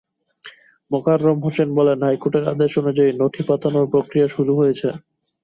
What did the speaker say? মোকাররম হোসেন বলেন, হাইকোর্টের আদেশ অনুযায়ী নথি পাঠানোর প্রক্রিয়া শুরু হয়েছে।